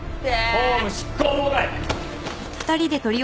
公務執行妨害！